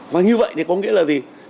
và như vậy thì có nghĩa là gì